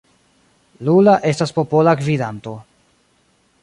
Lula estas popola gvidanto.